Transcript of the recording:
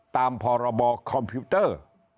ตามพรบคอมพิวเตอร์